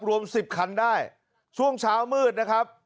รวม๑๐คันได้ช่วงเช้ามืดนะครับ